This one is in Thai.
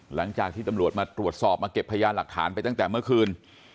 หลังจากที่ตำรวจมาตรวจสอบมาเก็บพยานหลักฐานไปตั้งแต่เมื่อคืน